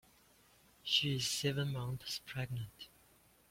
She is seven months pregnant.